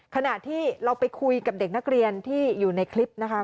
ขณะที่เราไปคุยกับเด็กนักเรียนที่อยู่ในคลิปนะคะ